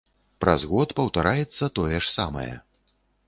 Праз год паўтараецца тое ж самае.